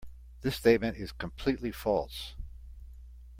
This statement is completely false.